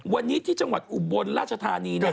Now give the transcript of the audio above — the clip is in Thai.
วันนี้ที่จังหวัดอุบลราชธานีเนี่ย